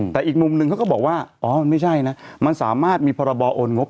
แต่อีกมุมหนึ่งเขาก็บอกว่าอ๋อมันไม่ใช่นะมันสามารถมีพรบโอนงบ